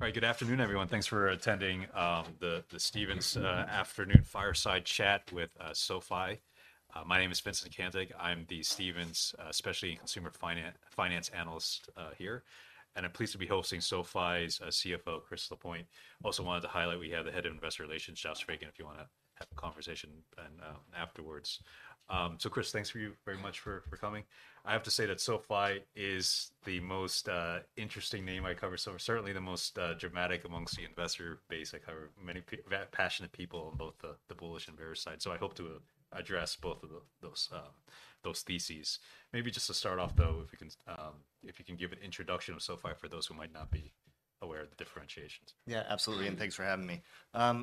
All right, good afternoon, everyone. Thanks for attending the Stephens afternoon fireside chat with SoFi. My name is Vincent Caintic. I'm the Stephens specialty consumer finance analyst here, and I'm pleased to be hosting SoFi's CFO, Chris Lapointe. I also wanted to highlight, we have the head of investor relations, Josh Fagen, if you wanna have a conversation then afterwards. So Chris, thanks for you very much for coming. I have to say that SoFi is the most interesting name I cover, so certainly the most dramatic amongst the investor base. I cover many very passionate people on both the bullish and bearish side. So I hope to address both of those theses. Maybe just to start off, though, if you can, if you can give an introduction of SoFi for those who might not be aware of the differentiations? Yeah, absolutely, and thanks for having me.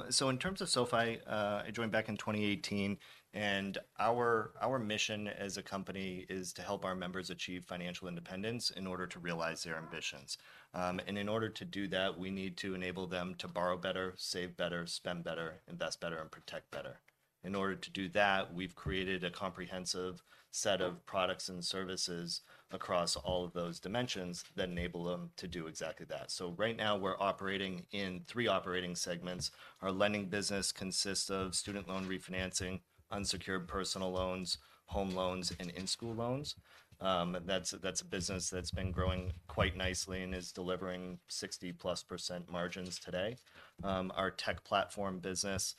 So in terms of SoFi, I joined back in 2018, and our mission as a company is to help our members achieve financial independence in order to realize their ambitions. And in order to do that, we need to enable them to borrow better, save better, spend better, invest better, and protect better. In order to do that, we've created a comprehensive set of products and services across all of those dimensions that enable them to do exactly that. So right now, we're operating in three operating segments. Our Lending business consists of student loan refinancing, unsecured personal loans, home loans, and in-school loans. That's a business that's been growing quite nicely and is delivering 60%+ margins today. Our Tech Platform business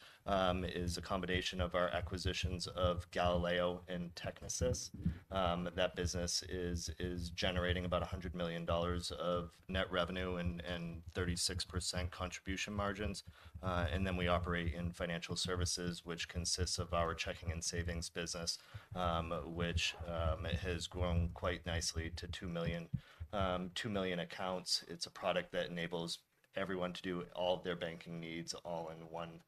is a combination of our acquisitions of Galileo and Technisys. That business is generating about $100 million of net revenue and 36% contribution margins. And then we operate in Financial Services, which consists of our checking and savings business, which has grown quite nicely to 2 million accounts. It's a product that enables everyone to do all of their banking needs all in one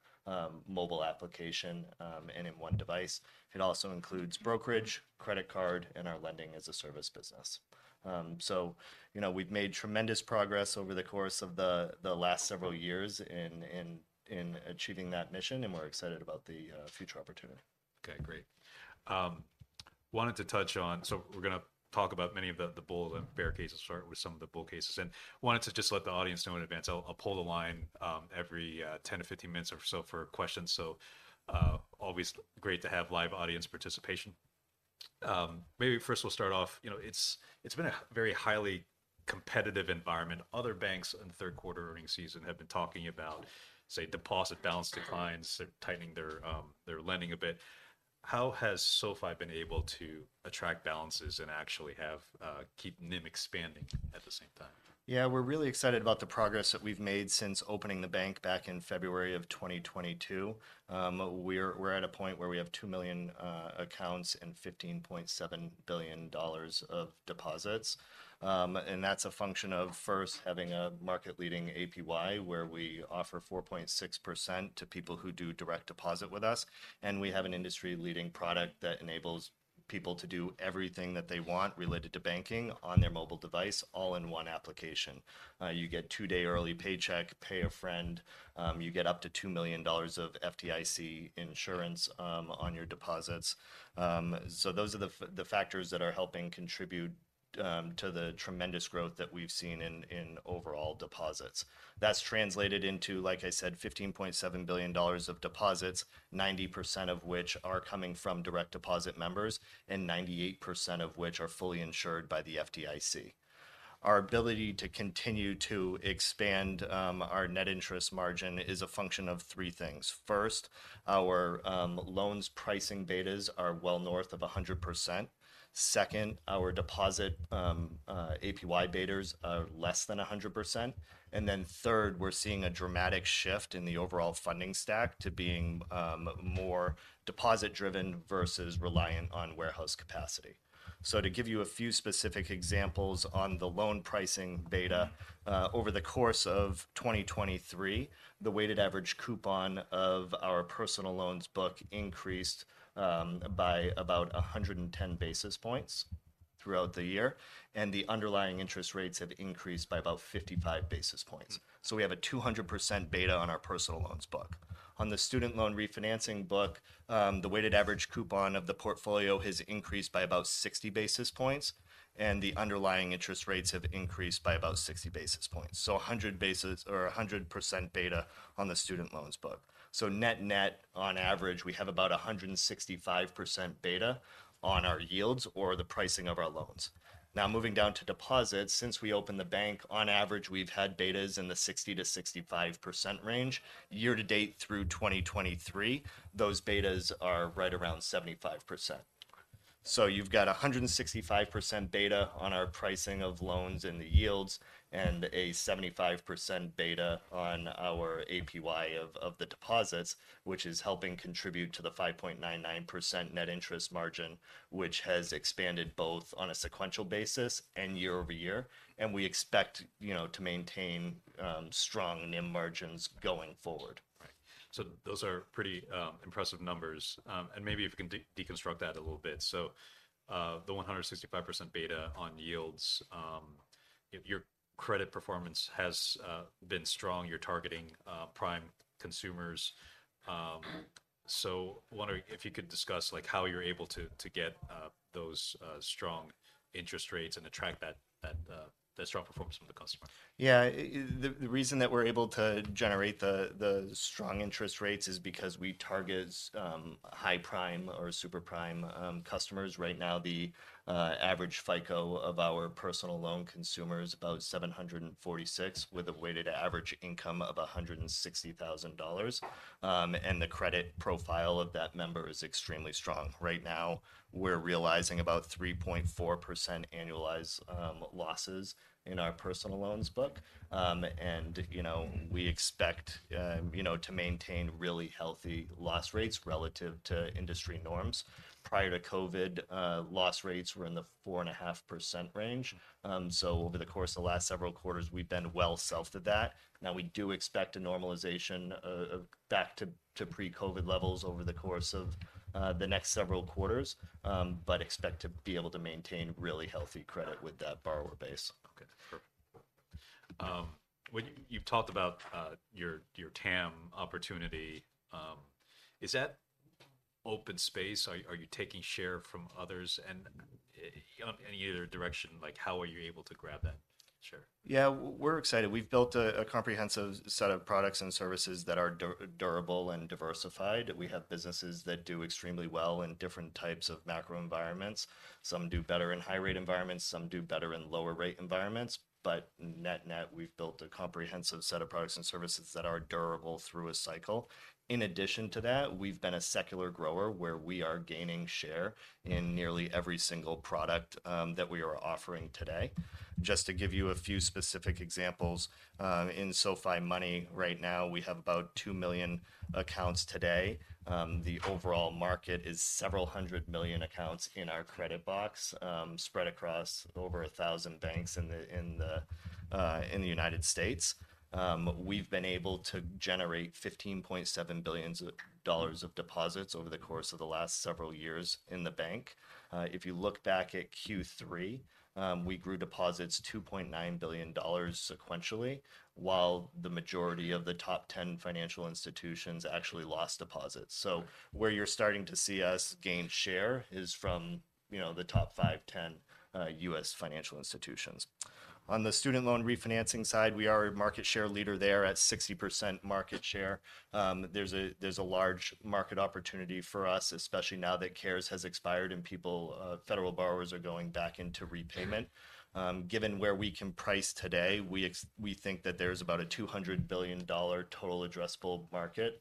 mobile application and in one device. It also includes brokerage, credit card, and our lending as a service business. So, you know, we've made tremendous progress over the course of the last several years in achieving that mission, and we're excited about the future opportunity. Okay, great. Wanted to touch on. So we're gonna talk about many of the bull and bear cases. Start with some of the bull cases, and I wanted to just let the audience know in advance, I'll poll the line every 10-15 minutes or so for questions, so always great to have live audience participation. Maybe first we'll start off, you know, it's been a very highly competitive environment. Other banks in the third quarter earning season have been talking about, say, deposit balance declines, they're tightening their Lending a bit. How has SoFi been able to attract balances and actually have keep NIM expanding at the same time? Yeah, we're really excited about the progress that we've made since opening the bank back in February 2022. We're at a point where we have 2 million accounts and $15.7 billion of deposits. And that's a function of first having a market-leading APY, where we offer 4.6% to people who do direct deposit with us, and we have an industry-leading product that enables people to do everything that they want related to banking on their mobile device, all in one application. You get two-day early paycheck, pay a friend, you get up to $2 million of FDIC insurance on your deposits. So those are the factors that are helping contribute to the tremendous growth that we've seen in overall deposits. That's translated into, like I said, $15.7 billion of deposits, 90% of which are coming from direct deposit members, and 98% of which are fully insured by the FDIC. Our ability to continue to expand our net interest margin is a function of three things. First, our loans pricing betas are well north of 100%. Second, our deposit APY betas are less than 100%. And then third, we're seeing a dramatic shift in the overall funding stack to being more deposit-driven versus reliant on warehouse capacity. So to give you a few specific examples on the Loan Pricing Beta, over the course of 2023, the weighted average coupon of our personal loans book increased by about 110 basis points throughout the year, and the underlying interest rates have increased by about 55 basis points. So we have a 200% beta on our personal loans book. On the student loan refinancing book, the weighted average coupon of the portfolio has increased by about 60 basis points, and the underlying interest rates have increased by about 60 basis points. So a 100 basis or a 100% beta on the student loans book. So net-net, on average, we have about a 165% beta on our yields or the pricing of our loans. Now, moving down to deposits, since we opened the bank, on average, we've had betas in the 60%-65% range. Year to date through 2023, those betas are right around 75%. So you've got a 165% beta on our pricing of loans and the yields, and a 75% beta on our APY of, of the deposits, which is helping contribute to the 5.99% net interest margin, which has expanded both on a sequential basis and year over year, and we expect, you know, to maintain strong NIM margins going forward. Right. So those are pretty impressive numbers. And maybe if you can deconstruct that a little bit. So, the 165% beta on yields, your credit performance has been strong. You're targeting prime consumers. So wondering if you could discuss like, how you're able to get those strong interest rates and attract that strong performance from the customer? Yeah. The reason that we're able to generate the strong interest rates is because we target high prime or super prime customers. Right now, the average FICO of our personal loan consumer is about 746, with a weighted average income of $160,000. And the credit profile of that member is extremely strong. Right now, we're realizing about 3.4% annualized losses in our personal loans book. And, you know, we expect, you know, to maintain really healthy loss rates relative to industry norms. Prior to COVID, loss rates were in the 4.5% range. So over the course of the last several quarters, we've been well south of that. Now, we do expect a normalization of back to pre-COVID levels over the course of the next several quarters, but expect to be able to maintain really healthy credit with that borrower base. Okay, perfect. When you've talked about your TAM opportunity. Is that open space? Are you taking share from others? And in either direction, like, how are you able to grab that share? Yeah, we're excited. We've built a comprehensive set of products and services that are durable and diversified. We have businesses that do extremely well in different types of macro environments. Some do better in high-rate environments, some do better in lower-rate environments, but net-net, we've built a comprehensive set of products and services that are durable through a cycle. In addition to that, we've been a secular grower, where we are gaining share in nearly every single product that we are offering today. Just to give you a few specific examples, in SoFi Money, right now, we have about 2 million accounts today. The overall market is several hundred million accounts in our credit box, spread across over 1,000 banks in the United States. We've been able to generate $15.7 billion of deposits over the course of the last several years in the bank. If you look back at Q3, we grew deposits $2.9 billion sequentially, while the majority of the top 10 financial institutions actually lost deposits. So where you're starting to see us gain share is from, you know, the top 5, 10 U.S. financial institutions. On the student loan refinancing side, we are a market share leader there at 60% market share. There's a large market opportunity for us, especially now that CARES has expired, and people, federal borrowers are going back into repayment. Sure. Given where we can price today, we think that there's about a $200 billion total addressable market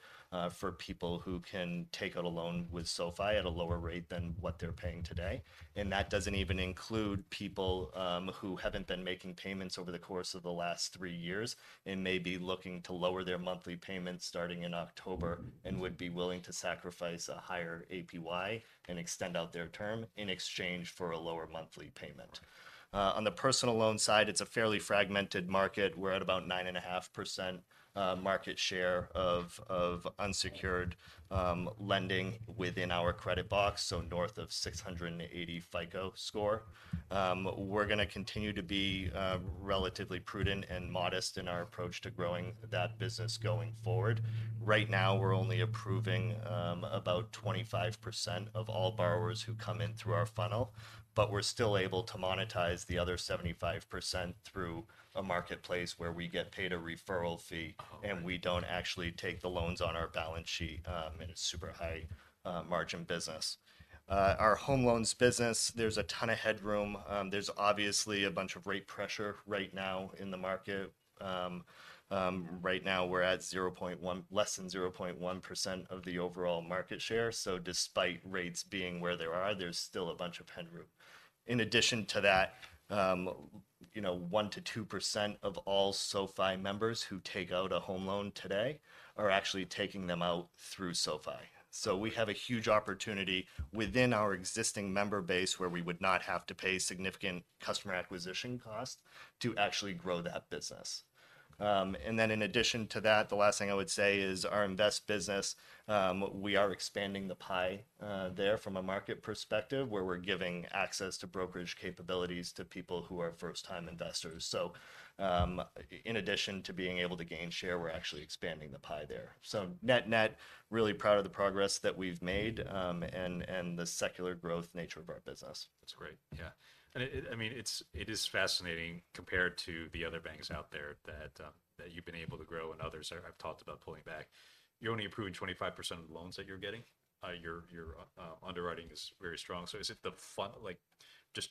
for people who can take out a loan with SoFi at a lower rate than what they're paying today. And that doesn't even include people who haven't been making payments over the course of the last three years and may be looking to lower their monthly payments starting in October, and would be willing to sacrifice a higher APY and extend out their term in exchange for a lower monthly payment. On the personal loan side, it's a fairly fragmented market. We're at about 9.5% market share of unsecured Lending within our credit box, so north of 680 FICO score. We're gonna continue to be relatively prudent and modest in our approach to growing that business going forward. Right now, we're only approving about 25% of all borrowers who come in through our funnel, but we're still able to monetize the other 75% through a marketplace where we get paid a referral fee- Oh, okay and we don't actually take the loans on our balance sheet in a super high margin business. Our home loans business, there's a ton of headroom. There's obviously a bunch of rate pressure right now in the market. Right now, we're at 0.1 plus less than 0.1% of the overall market share. So despite rates being where they are, there's still a bunch of headroom. In addition to that, you know, 1%-2% of all SoFi members who take out a home loan today are actually taking them out through SoFi. So we have a huge opportunity within our existing member base, where we would not have to pay significant customer acquisition costs to actually grow that business. And then in addition to that, the last thing I would say is, our invest business, we are expanding the pie there from a market perspective, where we're giving access to brokerage capabilities to people who are first-time investors. So, in addition to being able to gain share, we're actually expanding the pie there. So net-net, really proud of the progress that we've made, and the secular growth nature of our business. That's great. Yeah. And I mean, it is fascinating, compared to the other banks out there, that you've been able to grow, and others have talked about pulling back. You're only approving 25% of the loans that you're getting? Your underwriting is very strong, so is it like, just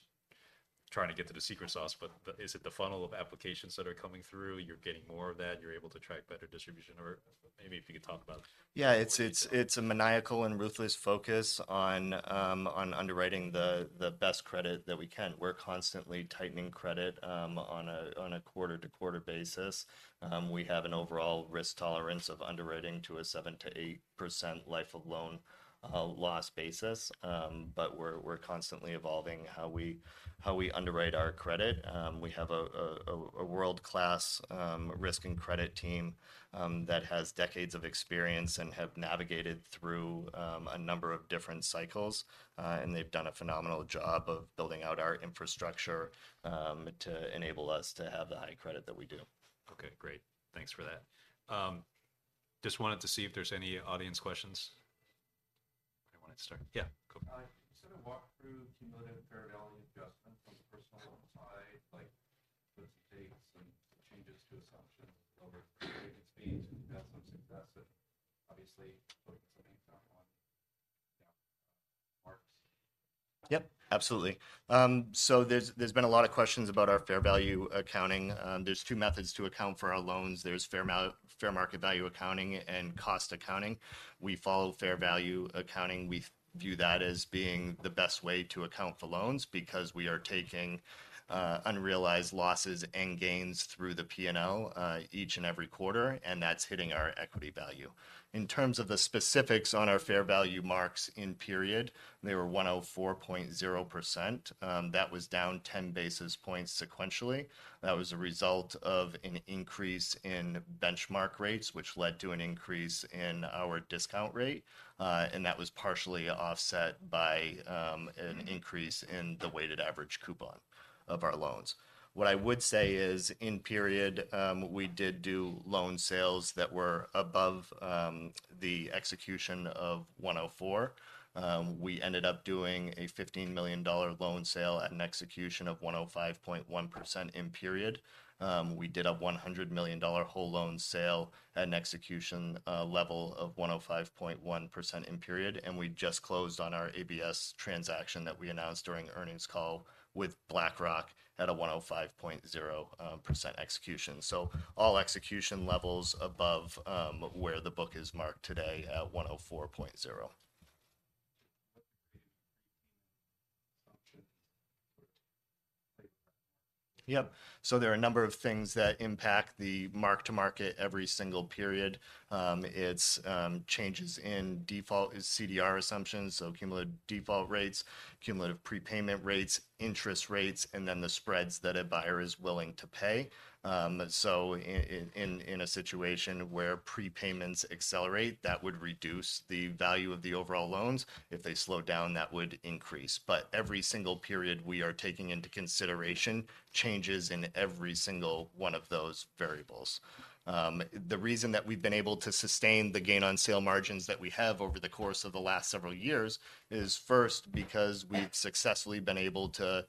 trying to get to the secret sauce, but is it the funnel of applications that are coming through, you're getting more of that, you're able to attract better distribution? Or maybe if you could talk about it. Yeah, it's a maniacal and ruthless focus on underwriting the best credit that we can. We're constantly tightening credit on a quarter-to-quarter basis. We have an overall risk tolerance of underwriting to a 7%-8% life-of-loan loss basis, but we're constantly evolving how we underwrite our credit. We have a world-class risk and credit team that has decades of experience and have navigated through a number of different cycles, and they've done a phenomenal job of building out our infrastructure to enable us to have the high credit that we do. Okay, great. Thanks for that. Just wanted to see if there's any audience questions. I wanted to start. Yeah, cool. Can you sort of walk through cumulative fair value adjustment from the personal loan side, like-... so it takes some changes to assumptions over prepay speeds. We've had some success with obviously putting some things out on down markets. Yep, absolutely. So there's been a lot of questions about our fair value accounting. There's two methods to account for our loans. There's fair market value accounting and cost accounting. We follow fair value accounting. We view that as being the best way to account for loans, because we are taking unrealized losses and gains through the P&L each and every quarter, and that's hitting our equity value. In terms of the specifics on our fair value marks in period, they were 104.0%. That was down 10 basis points sequentially. That was a result of an increase in benchmark rates, which led to an increase in our discount rate. And that was partially offset by an increase in the weighted average coupon of our loans. What I would say is, in period, we did do loan sales that were above, the execution of 104. We ended up doing a $15 million loan sale at an execution of 105.1% in period. We did a $100 million whole loan sale at an execution, level of 105.1% in period, and we just closed on our ABS transaction that we announced during the earnings call with BlackRock at a 105.0%, execution. So all execution levels above, where the book is marked today at 104.0. Option for Yep. So there are a number of things that impact the mark-to-market every single period. It's changes in default, it's CDR assumptions, so cumulative default rates, cumulative prepayment rates, interest rates, and then the spreads that a buyer is willing to pay. So in a situation where prepayments accelerate, that would reduce the value of the overall loans. If they slow down, that would increase. But every single period, we are taking into consideration changes in every single one of those variables. The reason that we've been able to sustain the gain on sale margins that we have over the course of the last several years is, first, because we've successfully been able to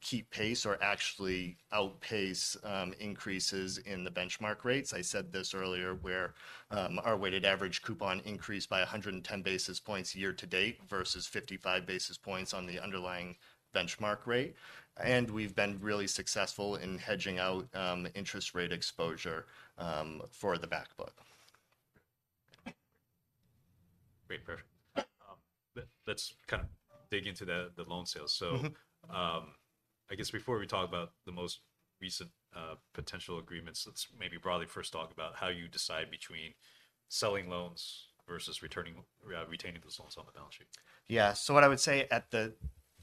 keep pace or actually outpace increases in the benchmark rates. I said this earlier, where, our weighted average coupon increased by 110 basis points year to date versus 55 basis points on the underlying benchmark rate. And we've been really successful in hedging out, interest rate exposure, for the back book. Great. Perfect. Let's kind of dig into the loan sales. Mm-hmm. I guess before we talk about the most recent potential agreements, let's maybe broadly first talk about how you decide between selling loans versus retaining those loans on the balance sheet. Yeah, so what I would say at the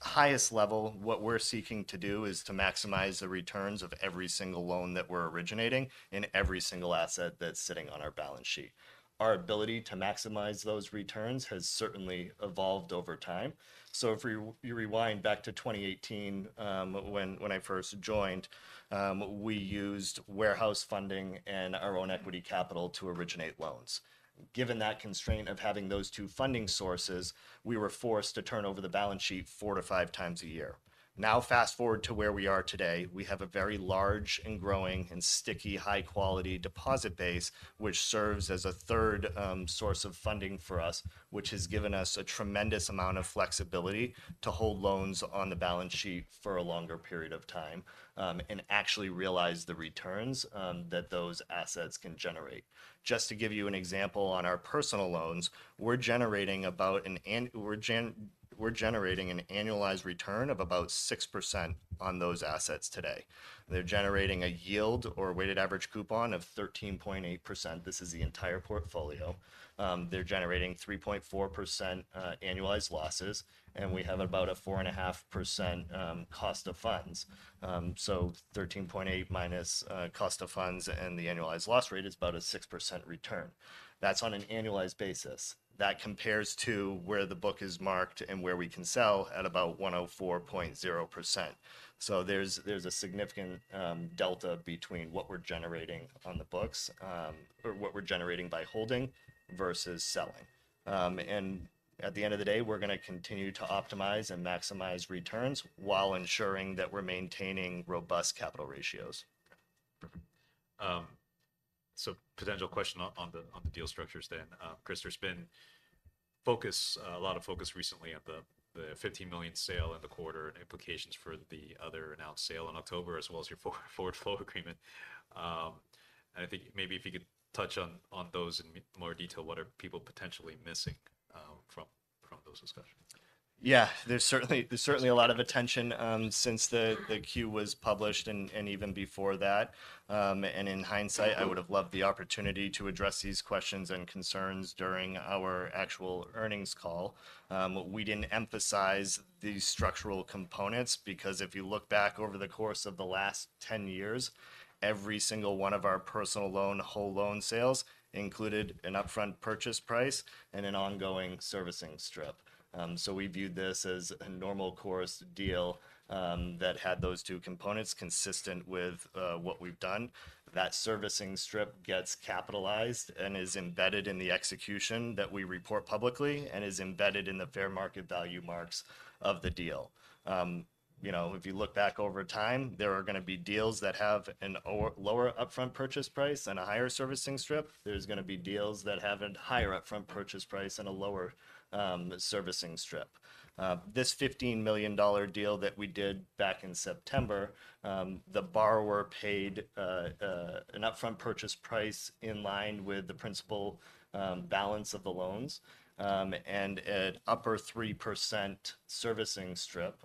highest level, what we're seeking to do is to maximize the returns of every single loan that we're originating in every single asset that's sitting on our balance sheet. Our ability to maximize those returns has certainly evolved over time. So if you rewind back to 2018, when I first joined, we used warehouse funding and our own equity capital to originate loans. Given that constraint of having those two funding sources, we were forced to turn over the balance sheet 4-5 times a year. Now, fast-forward to where we are today, we have a very large and growing and sticky, high-quality deposit base, which serves as a third source of funding for us, which has given us a tremendous amount of flexibility to hold loans on the balance sheet for a longer period of time, and actually realize the returns that those assets can generate. Just to give you an example, on our personal loans, we're generating about an annualized return of about 6% on those assets today. They're generating a yield or a weighted average coupon of 13.8%. This is the entire portfolio. They're generating 3.4% annualized losses, and we have about a 4.5% cost of funds. So 13.8 minus cost of funds, and the annualized loss rate is about a 6% return. That's on an annualized basis. That compares to where the book is marked and where we can sell at about 104.0%. So there's a significant delta between what we're generating on the books, or what we're generating by holding versus selling. And at the end of the day, we're gonna continue to optimize and maximize returns while ensuring that we're maintaining robust capital ratios. So potential question on the deal structures then. Chris, there's been a lot of focus recently on the $15 million sale in the quarter and implications for the other announced sale in October, as well as your forward flow agreement. And I think maybe if you could touch on those in more detail, what are people potentially missing from those discussions? ... yeah, there's certainly, there's certainly a lot of attention since the Q was published and even before that. And in hindsight, I would have loved the opportunity to address these questions and concerns during our actual earnings call. We didn't emphasize the structural components, because if you look back over the course of the last 10 years, every single 1 of our personal loan whole loan sales included an upfront purchase price and an ongoing servicing strip. So we viewed this as a normal course deal that had those 2 components consistent with what we've done. That servicing strip gets capitalized and is embedded in the execution that we report publicly, and is embedded in the fair market value marks of the deal. You know, if you look back over time, there are gonna be deals that have a lower upfront purchase price and a higher servicing strip. There's gonna be deals that have a higher upfront purchase price and a lower servicing strip. This $15 million deal that we did back in September, the borrower paid an upfront purchase price in line with the principal balance of the loans, and an upper 3% servicing strip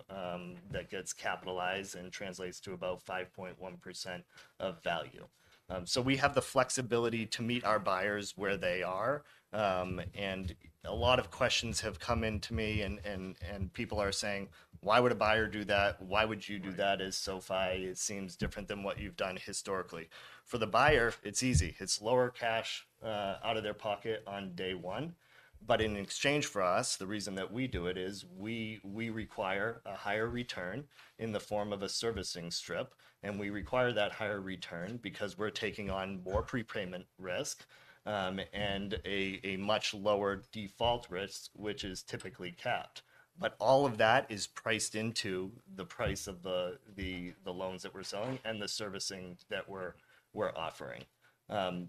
that gets capitalized and translates to about 5.1% of value. So we have the flexibility to meet our buyers where they are. And a lot of questions have come in to me and people are saying: "Why would a buyer do that? Why would you do that as SoFi? It seems different than what you've done historically." For the buyer, it's easy. It's lower cash out of their pocket on day one. But in exchange for us, the reason that we do it is, we, we require a higher return in the form of a servicing strip, and we require that higher return because we're taking on more prepayment risk and a much lower default risk, which is typically capped. But all of that is priced into the price of the loans that we're selling and the servicing that we're offering.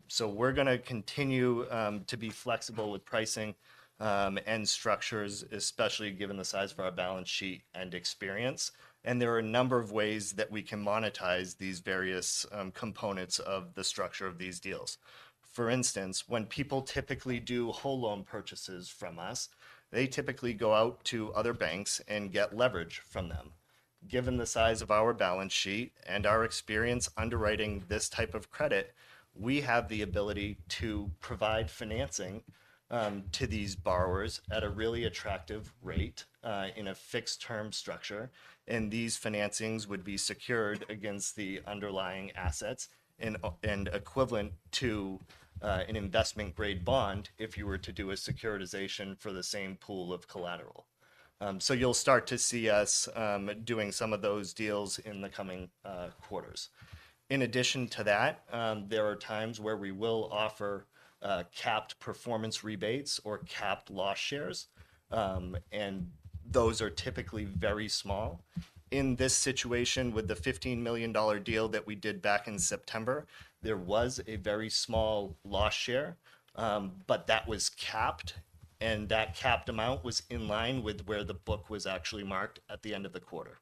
So we're gonna continue to be flexible with pricing and structures, especially given the size of our balance sheet and experience. There are a number of ways that we can monetize these various components of the structure of these deals. For instance, when people typically do whole loan purchases from us, they typically go out to other banks and get leverage from them. Given the size of our balance sheet and our experience underwriting this type of credit, we have the ability to provide financing to these borrowers at a really attractive rate in a fixed-term structure, and these financings would be secured against the underlying assets and equivalent to an investment-grade bond if you were to do a securitization for the same pool of collateral. So you'll start to see us doing some of those deals in the coming quarters. In addition to that, there are times where we will offer capped performance rebates or capped loss shares, and those are typically very small. In this situation, with the $15 million deal that we did back in September, there was a very small loss share, but that was capped, and that capped amount was in line with where the book was actually marked at the end of the quarter.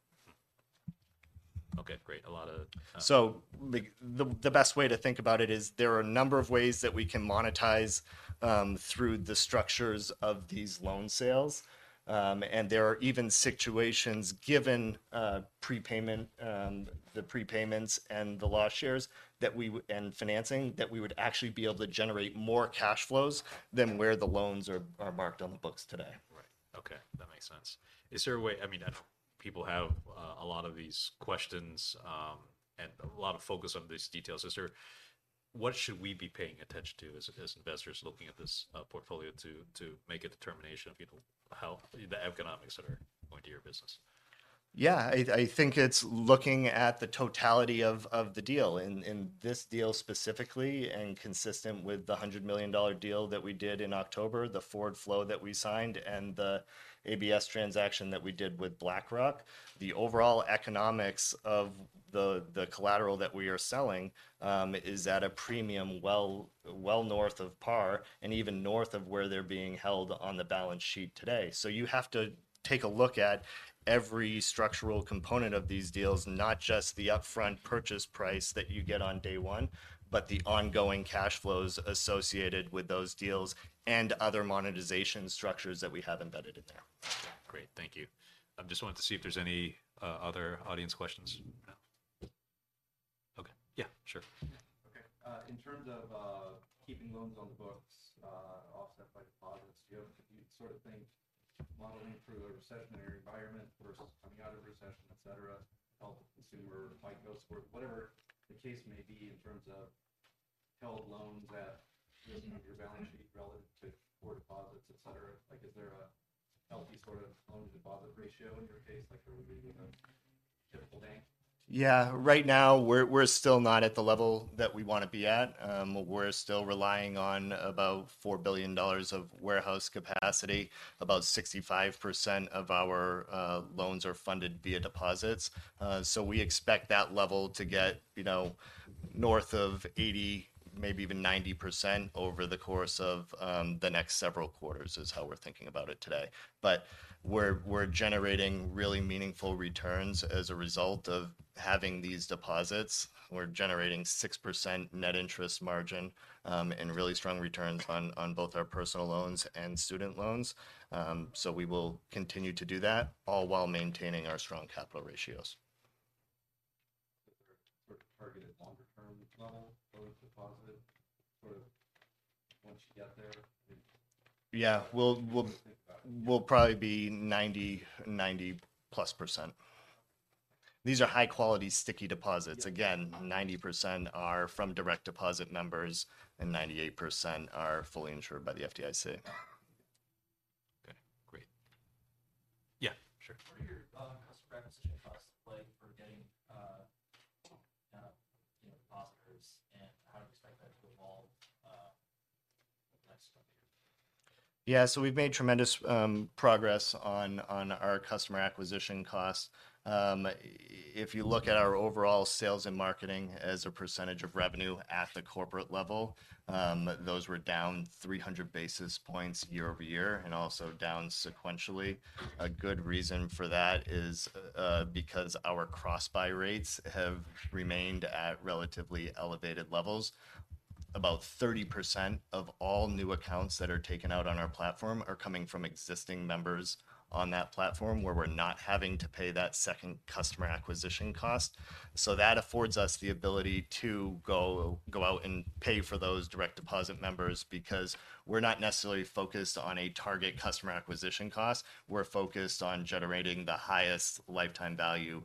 Okay, great. A lot of, So the best way to think about it is, there are a number of ways that we can monetize through the structures of these loan sales. And there are even situations, given prepayments and the loss shares and financing, that we would actually be able to generate more cash flows than where the loans are marked on the books today. Right. Okay, that makes sense. Is there a way. I mean, I know people have a lot of these questions, and a lot of focus on these details. What should we be paying attention to as investors looking at this portfolio to make a determination of, you know, how the economics that are going to your business? Yeah. I think it's looking at the totality of the deal. In this deal specifically, and consistent with the $100 million deal that we did in October, the forward flow that we signed, and the ABS transaction that we did with BlackRock, the overall economics of the collateral that we are selling is at a premium well north of par and even north of where they're being held on the balance sheet today. So you have to take a look at every structural component of these deals, not just the upfront purchase price that you get on day one, but the ongoing cash flows associated with those deals and other monetization structures that we have embedded in there. Great, thank you. I just wanted to see if there's any, other audience questions. No? Okay. Yeah, sure. Okay. In terms of keeping loans on the books, offset by deposits, do you sort of think modeling through a recessionary environment versus coming out of recession, et cetera, help the consumer fight those, whatever the case may be, in terms of held loans at, you know, your balance sheet relative to core deposits, et cetera? Like, is there a healthy sort of loan-to-deposit ratio in your case, like there would be in a typical bank? Yeah. Right now, we're still not at the level that we wanna be at. We're still relying on about $4 billion of warehouse capacity. About 65% of our loans are funded via deposits. So we expect that level to get, you know, north of 80, maybe even 90% over the course of the next several quarters, is how we're thinking about it today. But we're generating really meaningful returns as a result of having these deposits. We're generating 6% net interest margin, and really strong returns on both our personal loans and student loans. So we will continue to do that, all while maintaining our strong capital ratios. sort of target a longer-term level for the deposit, sort of once you get there? Yeah, we'll Think about it. we'll probably be 90, 90+%. These are high-quality, sticky deposits. Yeah. Again, 90% are from direct deposit members, and 98% are fully insured by the FDIC. Okay, great. Yeah, sure. What are your customer acquisition costs like for getting, you know, depositors, and how do you expect that to evolve next year? Yeah, so we've made tremendous progress on our customer acquisition costs. If you look at our overall sales and marketing as a percentage of revenue at the corporate level, those were down 300 basis points year-over-year, and also down sequentially. A good reason for that is because our cross-buy rates have remained at relatively elevated levels. About 30% of all new accounts that are taken out on our platform are coming from existing members on that platform, where we're not having to pay that second customer acquisition cost. So that affords us the ability to go out and pay for those direct deposit members, because we're not necessarily focused on a target customer acquisition cost. We're focused on generating the highest lifetime value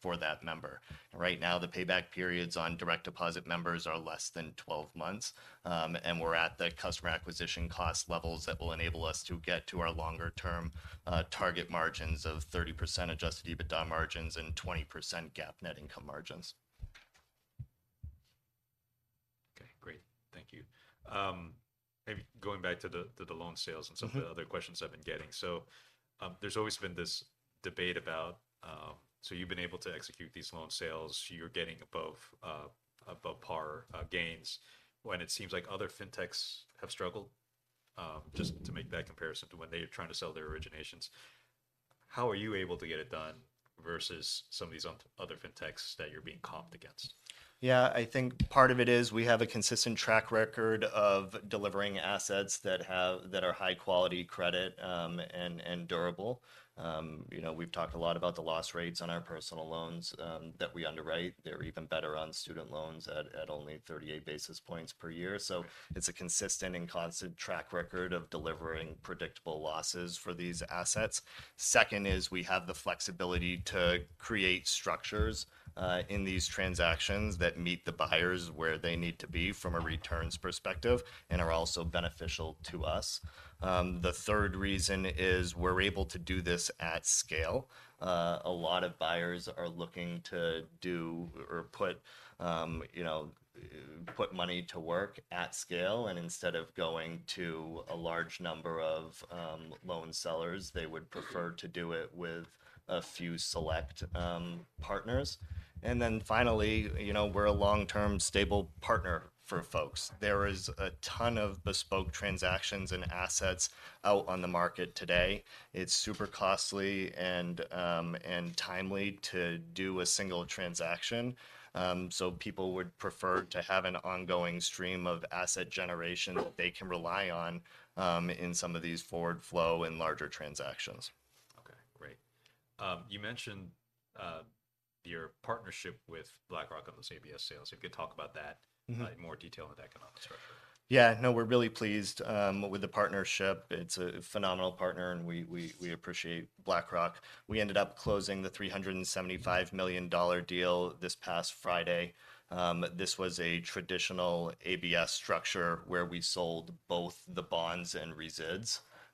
for that member. Right now, the payback periods on direct deposit members are less than 12 months, and we're at the customer acquisition cost levels that will enable us to get to our longer-term, target margins of 30% adjusted EBITDA margins and 20% GAAP net income margins. Okay, great. Thank you. Maybe going back to the, to the loan sales- Mm-hmm and some of the other questions I've been getting. So, there's always been this debate about. So you've been able to execute these loan sales, you're getting above par gains, when it seems like other fintechs have struggled, just to make that comparison to when they're trying to sell their originations. How are you able to get it done versus some of these other fintechs that you're being comped against? Yeah, I think part of it is we have a consistent track record of delivering assets that are high quality credit, and durable. You know, we've talked a lot about the loss rates on our personal loans that we underwrite. They're even better on student loans at only 38 basis points per year. So it's a consistent and constant track record of delivering predictable losses for these assets. Second is, we have the flexibility to create structures in these transactions that meet the buyers where they need to be from a returns perspective and are also beneficial to us. The third reason is we're able to do this at scale. A lot of buyers are looking to do or, you know, put money to work at scale, and instead of going to a large number of loan sellers, they would prefer to do it with a few select partners. And then finally, you know, we're a long-term, stable partner for folks. There is a ton of bespoke transactions and assets out on the market today. It's super costly and timely to do a single transaction, so people would prefer to have an ongoing stream of asset generation that they can rely on in some of these forward flow and larger transactions. Okay, great. You mentioned your partnership with BlackRock on those ABS sales. If you could talk about that- Mm-hmm in more detail with the economics structure. Yeah, no, we're really pleased with the partnership. It's a phenomenal partner, and we appreciate BlackRock. We ended up closing the $375 million deal this past Friday. This was a traditional ABS structure, where we sold both the bonds and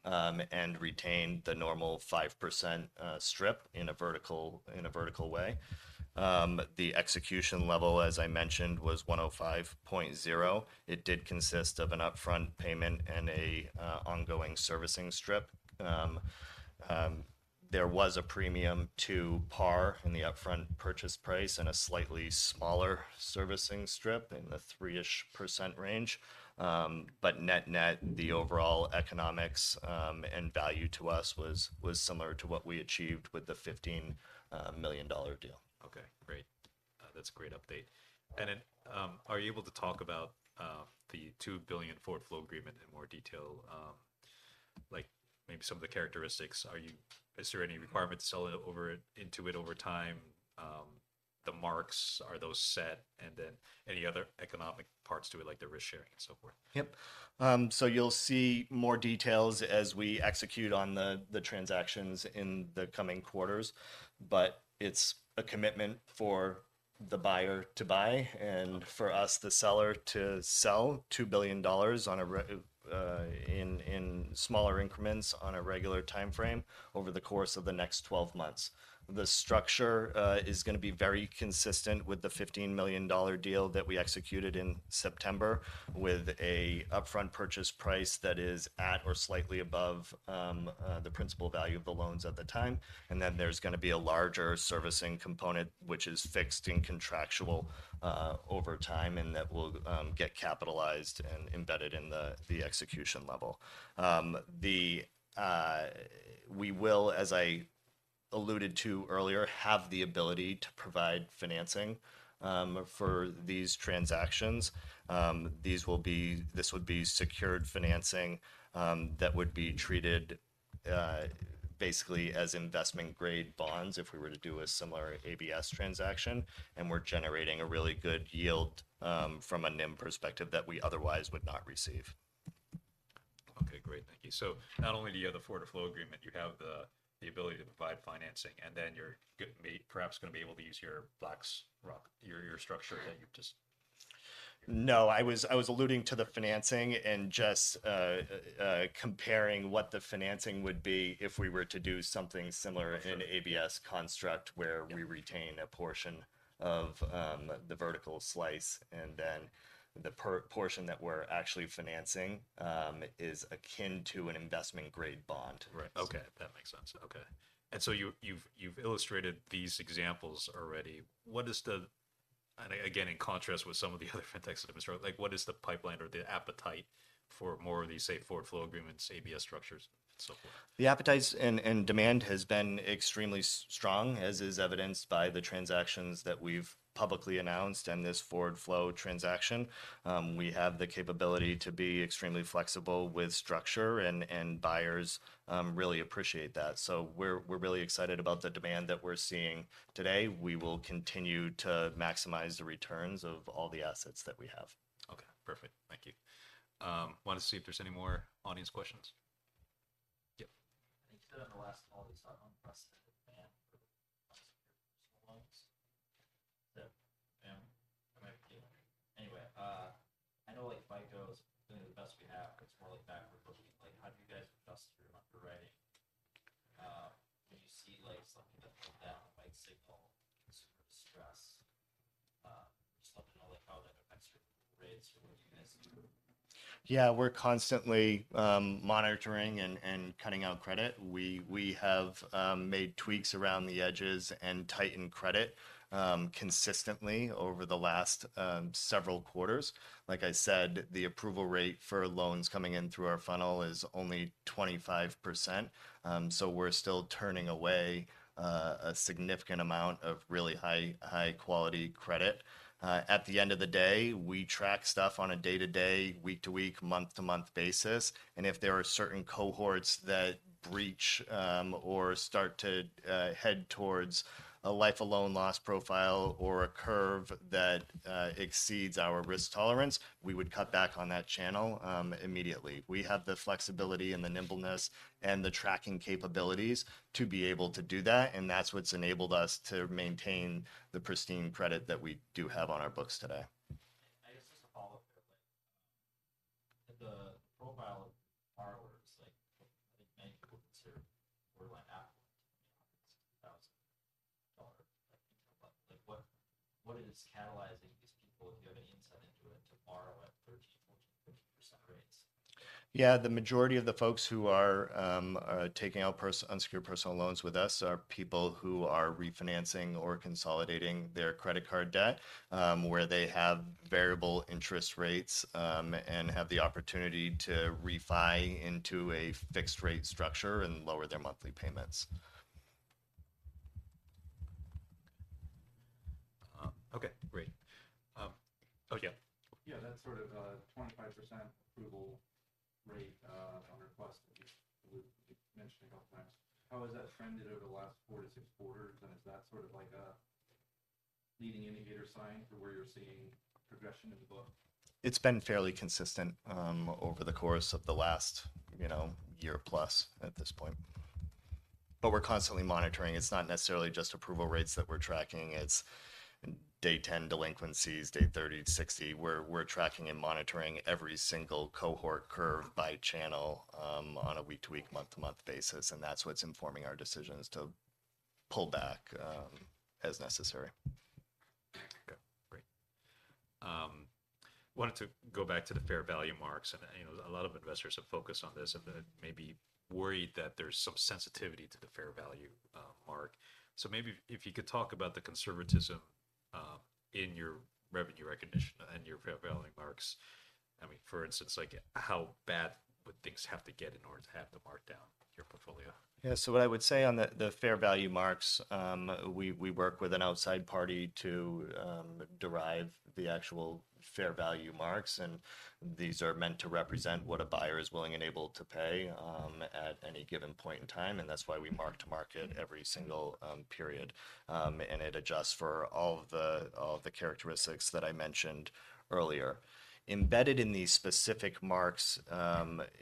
residuals, and retained the normal 5% strip in a vertical way. The execution level, as I mentioned, was 105.0. It did consist of an upfront payment and an ongoing servicing strip. There was a premium to par in the upfront purchase price, and a slightly smaller servicing strip in the 3%-ish range. But net-net, the overall economics and value to us was similar to what we achieved with the $15 million deal. Okay, great. That's a great update. Mm-hmm. Are you able to talk about the $2 billion forward flow agreement in more detail? Like, maybe some of the characteristics. Is there any requirement to sell it over, into it over time? The marks, are those set? And then any other economic parts to it, like the risk-sharing and so forth. Yep. So you'll see more details as we execute on the transactions in the coming quarters, but it's a commitment for the buyer to buy and for us, the seller, to sell $2 billion in smaller increments on a regular timeframe over the course of the next 12 months. The structure is gonna be very consistent with the $15 million deal that we executed in September, with an upfront purchase price that is at or slightly above the principal value of the loans at the time. And then there's gonna be a larger servicing component, which is fixed and contractual over time, and that will get capitalized and embedded in the execution level. We will, as I alluded to earlier, have the ability to provide financing for these transactions. This would be secured financing that would be treated basically as investment-grade bonds if we were to do a similar ABS transaction, and we're generating a really good yield from a NIM perspective that we otherwise would not receive. Okay, great. Thank you. So not only do you have the forward flow agreement, you have the ability to provide financing, and then you're gonna be able to use your BlackRock, your structure that you've just- No, I was alluding to the financing and just comparing what the financing would be if we were to do something similar in ABS construct- Yeah where we retain a portion of the vertical slice, and then the portion that we're actually financing is akin to an investment-grade bond. Right. Okay, that makes sense. Okay. And so you've illustrated these examples already. What is the... And again, in contrast with some of the other fintechs that have started, like, what is the pipeline or the appetite for more of these, say, forward flow agreements, ABS structures, and so forth? The appetite and demand has been extremely strong, as is evidenced by the transactions that we've publicly announced and this forward flow transaction. We have the capability to be extremely flexible with structure, and buyers really appreciate that. So we're really excited about the demand that we're seeing today. We will continue to maximize the returns of all the assets that we have. Okay, perfect. Thank you. Wanted to see if there's any more audience questions. Yep. I think the last call was on personal loans. So, I know, like, FICO is doing the best we have, it's more like backward-looking. Like, how do you guys adjust your underwriting, when you see, like, something that might signal sort of stress, something like how the extra rates or what do you guys do? Yeah, we're constantly monitoring and cutting out credit. We have made tweaks around the edges and tightened credit consistently over the last several quarters. Like I said, the approval rate for loans coming in through our funnel is only 25%. So we're still turning away a significant amount of really high-quality credit. At the end of the day, we track stuff on a day-to-day, week-to-week, month-to-month basis, and if there are certain cohorts that breach or start to head towards a life-of-loan loss profile or a curve that exceeds our risk tolerance, we would cut back on that channel immediately. We have the flexibility and the nimbleness and the tracking capabilities to be able to do that, and that's what's enabled us to maintain the pristine credit that we do have on our books today. I guess just a follow-up here, like, the profile of borrowers, like, I think many people consider borderline affluent, you know, it's $2,000. Like, what, what is catalyzing these people, if you have any insight into it, to borrow at 13%, 14%, 15% rates? Yeah, the majority of the folks who are taking out unsecured personal loans with us are people who are refinancing or consolidating their credit card debt, where they have variable interest rates, and have the opportunity to refi into a fixed-rate structure and lower their monthly payments. Okay, great. Oh, yeah. Yeah, that sort of 25% approval rate on requests was mentioned a couple times. How has that trended over the last 4-6 quarters, and is that sort of like a leading indicator sign for where you're seeing progression in the book? It's been fairly consistent over the course of the last, you know, year-plus at this point. But we're constantly monitoring. It's not necessarily just approval rates that we're tracking, it's Day 10 delinquencies, Day 30, 60. We're tracking and monitoring every single cohort curve by channel on a week-to-week, month-to-month basis, and that's what's informing our decisions to pull back as necessary. Okay, great. Wanted to go back to the fair value marks. You know, a lot of investors have focused on this and been maybe worried that there's some sensitivity to the fair value mark. Maybe if you could talk about the conservatism in your revenue recognition and your fair value marks. I mean, for instance, like how bad would things have to get in order to have to mark down your portfolio? Yeah. So what I would say on the fair value marks, we work with an outside party to derive the actual fair value marks, and these are meant to represent what a buyer is willing and able to pay, at any given point in time, and that's why we mark to market every single period. And it adjusts for all of the characteristics that I mentioned earlier. Embedded in these specific marks,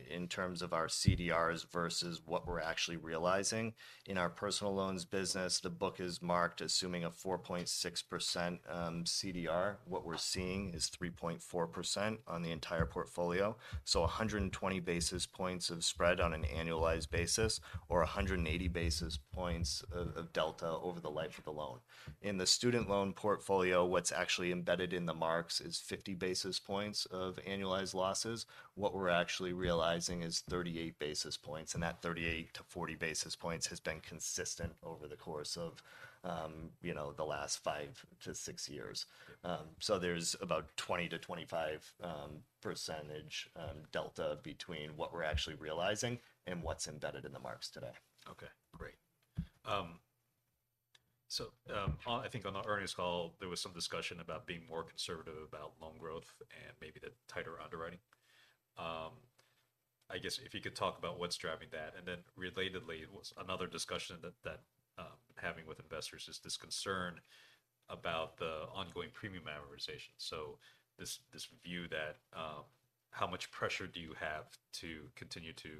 in terms of our CDRs versus what we're actually realizing, in our personal loans business, the book is marked as assuming a 4.6% CDR. What we're seeing is 3.4% on the entire portfolio. 120 basis points of spread on an annualized basis, or 180 basis points of delta over the life of the loan. In the student loan portfolio, what's actually embedded in the marks is 50 basis points of annualized losses. What we're actually realizing is 38 basis points, and that 38-40 basis points has been consistent over the course of, you know, the last five-six years. So there's about 20-25 percentage delta between what we're actually realizing and what's embedded in the marks today. Okay, great. So, I think on the earnings call, there was some discussion about being more conservative about loan growth and maybe the tighter underwriting. I guess if you could talk about what's driving that. And then relatedly, was another discussion that having with investors, is this concern about the ongoing premium amortization. So this view that how much pressure do you have to continue to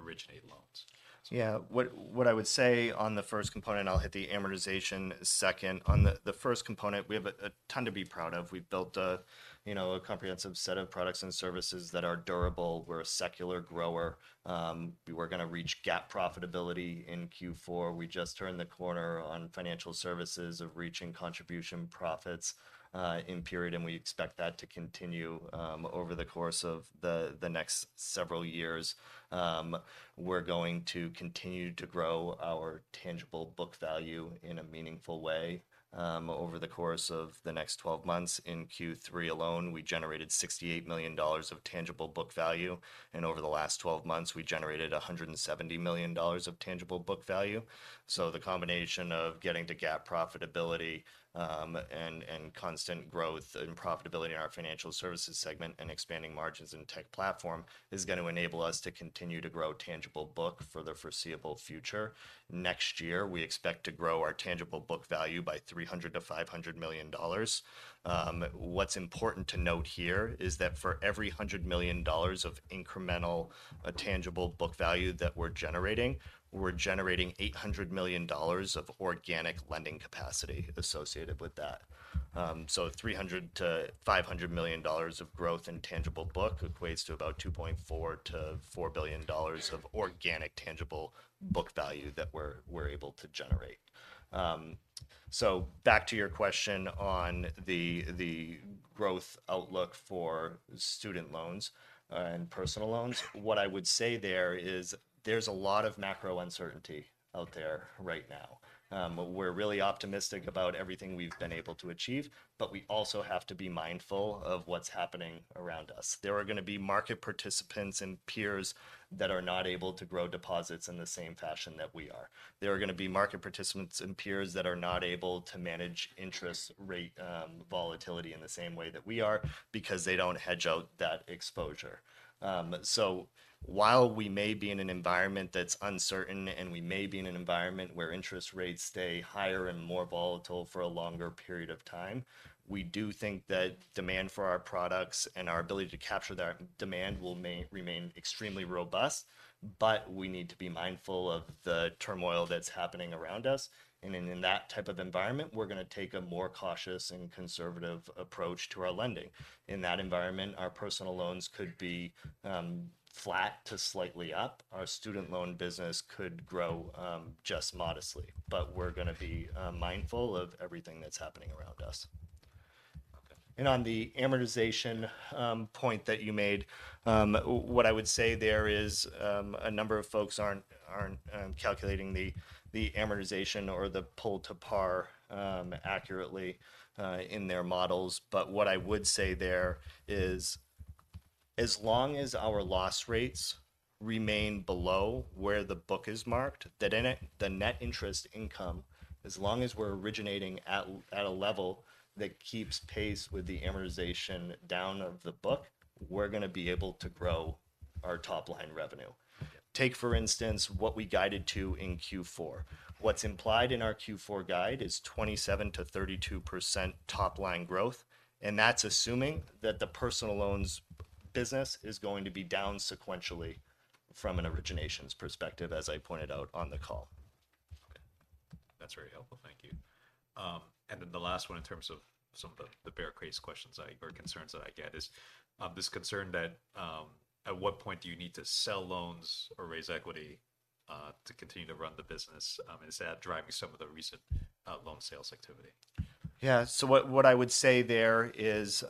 originate loans? Yeah. What, what I would say on the first component, I'll hit the amortization second. On the, the first component, we have a, a ton to be proud of. We've built a, you know, a comprehensive set of products and services that are durable. We're a secular grower. We were gonna reach GAAP profitability in Q4. We just turned the corner on Financial Services of reaching contribution profits in period, and we expect that to continue over the course of the, the next several years. We're going to continue to grow our tangible book value in a meaningful way over the course of the next twelve months. In Q3 alone, we generated $68 million of tangible book value, and over the last twelve months, we generated $170 million of tangible book value. So the combination of getting to GAAP profitability, and constant growth and profitability in our Financial Services segment and expanding margins in Tech Platform, is going to enable us to continue to grow tangible book for the foreseeable future. Next year, we expect to grow our tangible book value by $300 million-$500 million. What's important to note here is that for every $100 million of incremental tangible book value that we're generating, we're generating $800 million of organic Lending capacity associated with that. So $300 million-$500 million of growth in tangible book equates to about $2.4 billion-$4 billion of organic tangible book value that we're able to generate. So back to your question on the growth outlook for student loans, and personal loans. What I would say there is, there's a lot of macro uncertainty out there right now. We're really optimistic about everything we've been able to achieve, but we also have to be mindful of what's happening around us. There are gonna be market participants and peers that are not able to grow deposits in the same fashion that we are. There are gonna be market participants and peers that are not able to manage interest rate volatility in the same way that we are because they don't hedge out that exposure. So while we may be in an environment that's uncertain and we may be in an environment where interest rates stay higher and more volatile for a longer period of time, we do think that demand for our products and our ability to capture that demand will remain extremely robust, but we need to be mindful of the turmoil that's happening around us. And in that type of environment, we're gonna take a more cautious and conservative approach to our Lending. In that environment, our personal loans could be flat to slightly up. Our student loan business could grow just modestly, but we're gonna be mindful of everything that's happening around us. Okay. On the amortization point that you made, what I would say there is, a number of folks aren't calculating the amortization or the pull to par accurately in their models. But what I would say there is, as long as our loss rates remain below where the book is marked, the net interest income, as long as we're originating at a level that keeps pace with the amortization down of the book, we're gonna be able to grow our top-line revenue. Okay. Take, for instance, what we guided to in Q4. What's implied in our Q4 guide is 27%-32% top-line growth, and that's assuming that the personal loans business is going to be down sequentially from an originations perspective, as I pointed out on the call. Okay. That's very helpful. Thank you. And then the last one, in terms of some of the bear case questions I or concerns that I get, is this concern that at what point do you need to sell loans or raise equity to continue to run the business? Is that driving some of the recent loan sales activity? Yeah, so what I would say there is,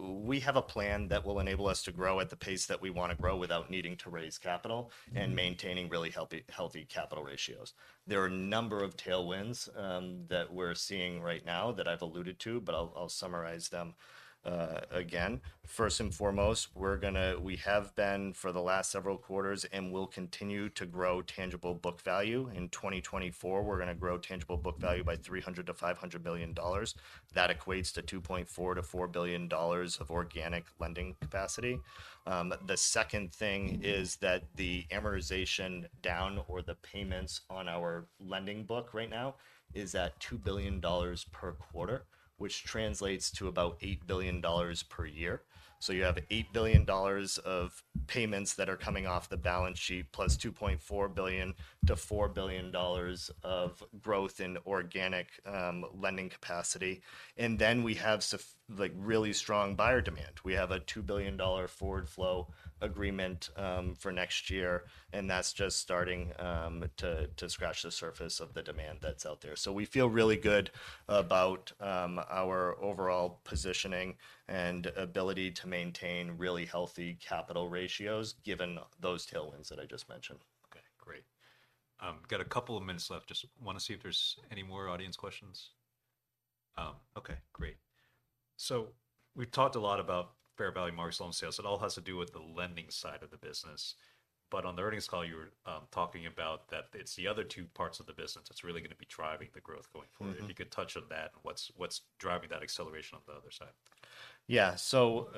we have a plan that will enable us to grow at the pace that we want to grow without needing to raise capital- Mm and maintaining really healthy, healthy capital ratios. There are a number of tailwinds that we're seeing right now that I've alluded to, but I'll, I'll summarize them again. First and foremost, we're gonna, we have been for the last several quarters and will continue to grow tangible book value. In 2024, we're gonna grow tangible book value by $300 million-$500 million. That equates to $2.4 billion-$4 billion of organic Lending capacity. The second thing is that the amortization down or the payments on our Lending book right now is at $2 billion per quarter, which translates to about $8 billion per year. So you have $8 billion of payments that are coming off the balance sheet, plus $2.4 billion-$4 billion of growth in organic Lending capacity. And then we have like, really strong buyer demand. We have a $2 billion forward flow agreement, for next year, and that's just starting, to scratch the surface of the demand that's out there. So we feel really good about, our overall positioning and ability to maintain really healthy capital ratios, given those tailwinds that I just mentioned. Okay, great. Got a couple of minutes left. Just wanna see if there's any more audience questions? Okay, great. So we've talked a lot about fair value mark loan sales. It all has to do with the Lending side of the business, but on the earnings call, you were talking about that it's the other two parts of the business that's really gonna be driving the growth going forward. Mm-hmm. If you could touch on that, what's driving that acceleration on the other side? Yeah. So,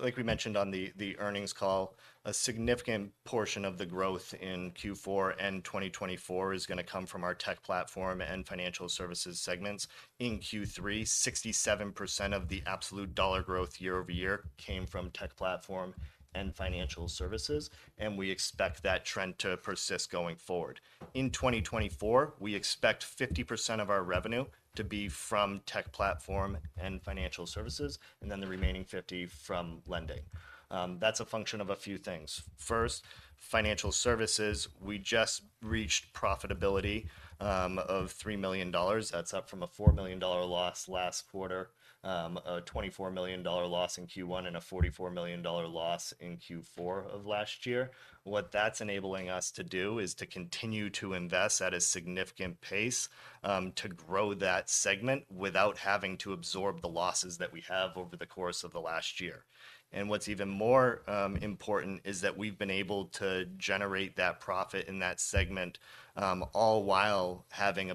like we mentioned on the earnings call, a significant portion of the growth in Q4 and 2024 is gonna come from our Tech Platform and Financial Services segments. In Q3, 67% of the absolute dollar growth year-over-year came from Tech Platform and Financial Services, and we expect that trend to persist going forward. In 2024, we expect 50% of our revenue to be from Tech Platform and Financial Services, and then the remaining 50% from Lending. That's a function of a few things. First, Financial Services, we just reached profitability of $3 million. That's up from a $4 million loss last quarter, a $24 million loss in Q1, and a $44 million loss in Q4 of last year. What that's enabling us to do is to continue to invest at a significant pace, to grow that segment without having to absorb the losses that we have over the course of the last year. And what's even more important is that we've been able to generate that profit in that segment, all while having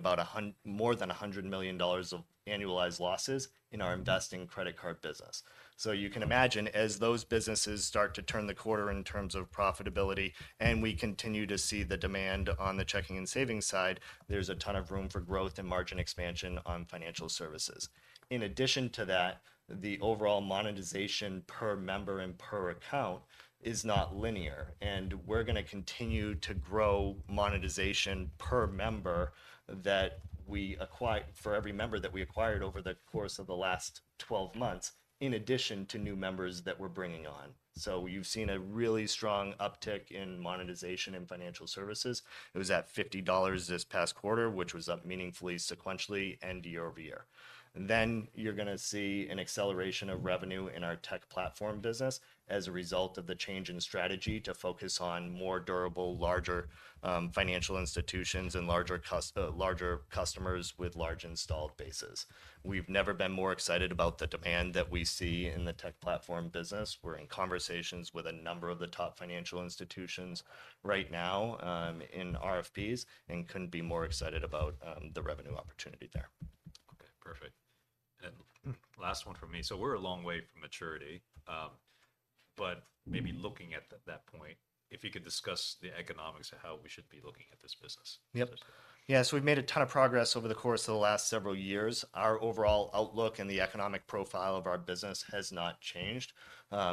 more than $100 million of annualized losses in our investing credit card business. So you can imagine, as those businesses start to turn the corner in terms of profitability, and we continue to see the demand on the checking and savings side, there's a ton of room for growth and margin expansion on Financial Services. In addition to that, the overall monetization per member and per account is not linear, and we're gonna continue to grow monetization per member for every member that we acquired over the course of the last 12 months, in addition to new members that we're bringing on. So you've seen a really strong uptick in monetization and Financial Services. It was at $50 this past quarter, which was up meaningfully, sequentially, and year-over-year. Then you're gonna see an acceleration of revenue in our Tech Platform business as a result of the change in strategy to focus on more durable, larger, financial institutions and larger customers with large installed bases. We've never been more excited about the demand that we see in the Tech Platform business. We're in conversations with a number of the top financial institutions right now, in RFPs, and couldn't be more excited about the revenue opportunity there. Okay, perfect. Last one from me. We're a long way from maturity, but maybe looking at that point, if you could discuss the economics of how we should be looking at this business. Yep. Yeah, so we've made a ton of progress over the course of the last several years. Our overall outlook and the economic profile of our business has not changed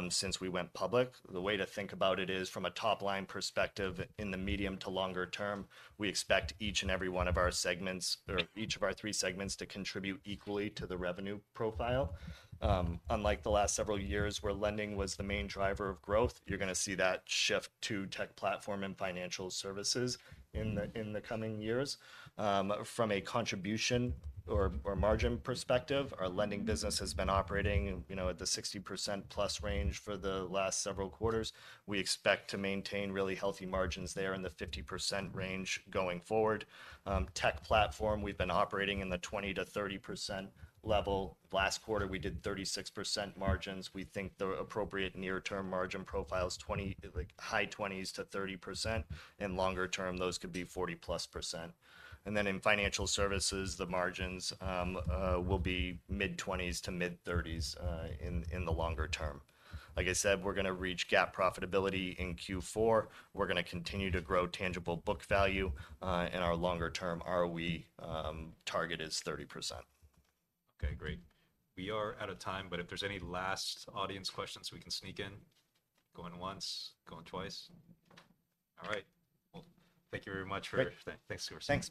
since we went public. The way to think about it is, from a top-line perspective in the medium to longer term, we expect each and every one of our segments or each of our three segments to contribute equally to the revenue profile. Unlike the last several years, where Lending was the main driver of growth, you're gonna see that shift to Tech Platform and Financial Services in the coming years. From a contribution or margin perspective, our Lending business has been operating, you know, at the 60%+ range for the last several quarters. We expect to maintain really healthy margins there in the 50% range going forward. Tech Platform, we've been operating in the 20%-30% level. Last quarter, we did 36% margins. We think the appropriate near-term margin profile is 20, like, high 20s-30%, and longer term, those could be 40+%. And then in Financial Services, the margins will be mid-20s to mid-30s in the longer term. Like I said, we're gonna reach GAAP profitability in Q4. We're gonna continue to grow tangible book value, and our longer term ROE target is 30%. Okay, great. We are out of time, but if there's any last audience questions we can sneak in? Going once, going twice. All right. Well, thank you very much for- Great... thanks, Chris. Thank you.